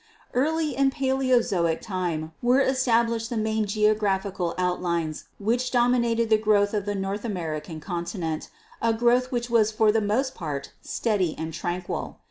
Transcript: "Early in Paleozoic time were established the main geo graphical outlines which dominated the growth of the North American continent, a growth which was for the most part steady and tranquil.